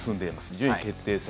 順位決定戦。